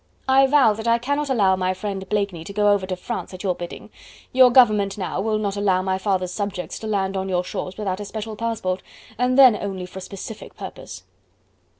I vow that I cannot allow my friend Blakeney to go over to France at your bidding. Your government now will not allow my father's subjects to land on your shores without a special passport, and then only for a specific purpose."